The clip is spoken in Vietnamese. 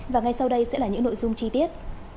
và ngay sau đây sẽ là những nội dung chi tiết